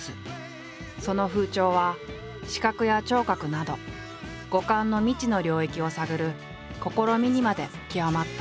その風潮は視覚や聴覚など五感の未知の領域を探る試みにまで極まった。